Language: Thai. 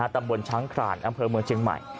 ตำบลช้างคลานอำเภอเมืองเชียงใหม่